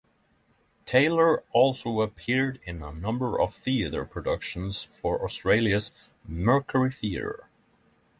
Taylor also appeared in a number of theatre productions for Australia's Mercury Theatre.